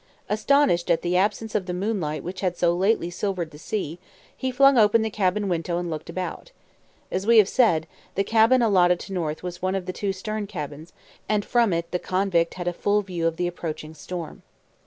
Astonished at the absence of the moonlight which had so lately silvered the sea, he flung open the cabin window and looked out. As we have said, the cabin allotted to North was one of the two stern cabins, and from it the convict had a full view of the approaching storm.